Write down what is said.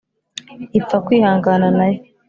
ipfa kwihangana na yo